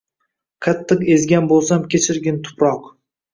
Qattiq ezgan bo’lsam kechirgin tuproq